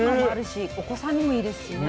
お子さんにもいいですしね。